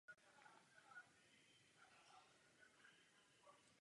V přízemí se dochovaly valené klenby.